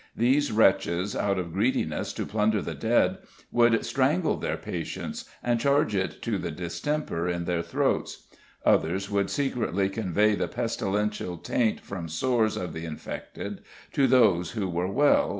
These wretches, out of greediness to plunder the dead, would strangle their patients and charge it to the distemper in their throats; others would secretly convey the pestilential taint from sores of the infected to those who were well," &c.